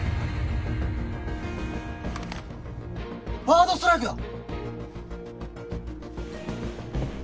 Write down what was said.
バードストライクだ！